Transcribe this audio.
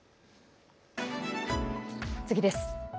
次です。